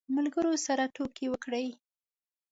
ملګرو سره ټوکې وکړې.